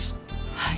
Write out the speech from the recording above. はい？